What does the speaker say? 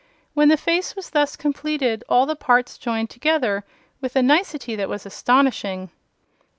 When the face was thus completed, all the parts joined together with a nicety that was astonishing.